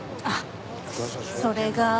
あっそれが。